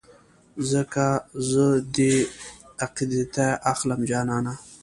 ځکه زه دې اقتیدا اخلم جانانه